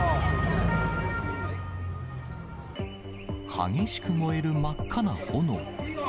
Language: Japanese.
激しく燃える真っ赤な炎。